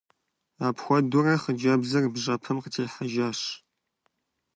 Апхуэдэурэ хъыджэбзыр бжьэпэм къытехьэжащ.